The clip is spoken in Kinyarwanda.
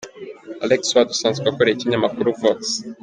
Alex Ward usanzwe akorera Ikinyamakuru Vox.